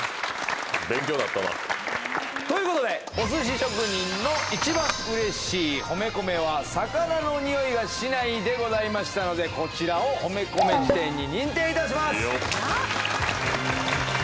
勉強なったなということでお寿司職人の一番嬉しい褒めコメは「魚のにおいがしない」でございましたのでこちらを褒めコメ辞典に認定いたします！